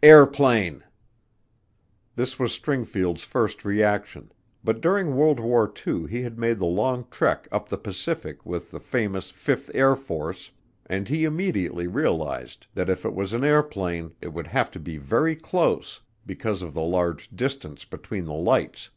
"Airplane!" This was Stringfield's first reaction but during World War II he had made the long trek up the Pacific with the famous Fifth Air Force and he immediately realized that if it was an airplane it would have to be very close because of the large distance between the lights.